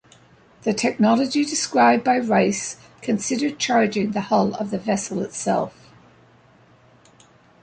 The technology described by Rice considered charging the hull of the vessel itself.